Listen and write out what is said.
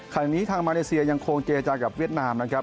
ขณะนี้ทางมาเลเซียยังคงเกจากับเวียดนามนะครับ